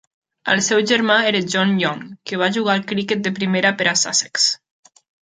El seu germà era John Young, que va jugar al criquet de primera per a Sussex.